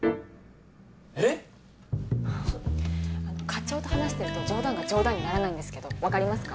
えっ⁉課長と話してると冗談が冗談にならないんですけど分かりますか？